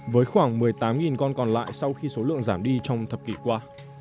với khoảng một mươi tám con còn lại sau khi số lượng giảm đi trong thập kỷ qua